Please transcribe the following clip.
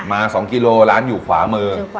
มา๒กิโลร้านอยู่ขวามือ